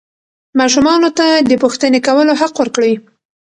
ماشومانو ته د پوښتنې کولو حق ورکړئ.